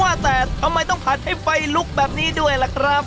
ว่าแต่ทำไมต้องผัดให้ไฟลุกแบบนี้ด้วยล่ะครับ